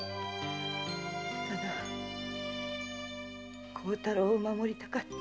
ただ孝太郎を守りたかった。